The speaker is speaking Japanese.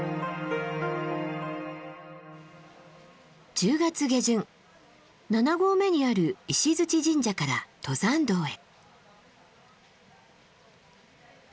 １０月下旬７合目にある石神社から登山道へ。